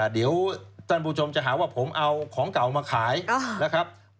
เดี๋ยวท่านผู้ชมจะหาว่าผมเอาของเก่ามาขายนะครับ